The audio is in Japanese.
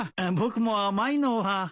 僕も甘いのは。